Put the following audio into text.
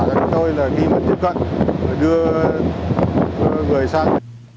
chúng tôi là khi tiếp cận đưa người sang